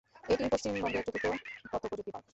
এটি পশ্চিমবঙ্গের চতুর্থ তথ্যপ্রযুক্তি পার্ক।